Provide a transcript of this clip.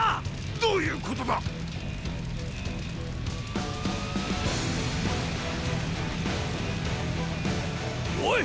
どういうことだ⁉おいっ！